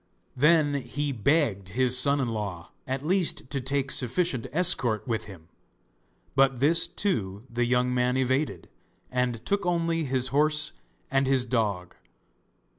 Then he begged his son in law at least to take sufficient escort with him, but this, too, the young man evaded, and took only his horse and his dog.